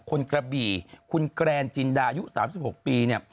กระบี่คุณแกรนจินดายุ๓๖ปีเนี่ย